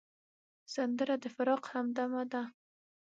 سندره د فراق همدمه ده